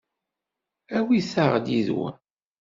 Awit-aɣ yid-wen.